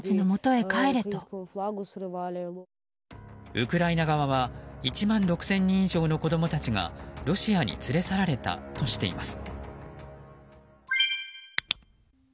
ウクライナ側は１万６０００人以上の子供たちがロシアに連れ去られたとしています。